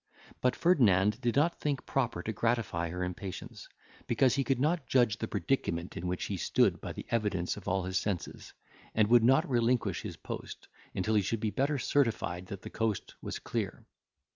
But Ferdinand did not think proper to gratify her impatience, because he could not judge of the predicament in which he stood by the evidence of all his senses, and would not relinquish his post, until he should be better certified that the coast was clear.